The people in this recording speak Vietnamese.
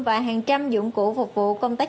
và hàng trăm dụng cụ phục vụ công tác